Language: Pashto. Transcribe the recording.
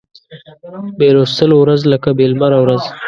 بې لوستلو ورځ لکه بې لمره ورځ